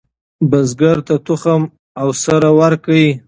بزګر ته تخم او سره ورکړئ.